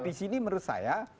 di sini menurut saya